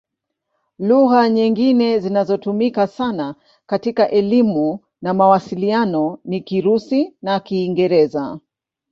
Lugha nyingine zinazotumika sana katika elimu na mawasiliano ni Kirusi na Kiingereza.